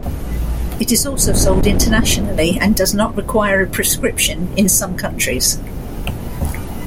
It is also sold internationally, and does not require a prescription in some countries.